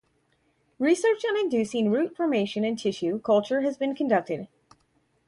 Research on inducing root formation in tissue culture has been conducted.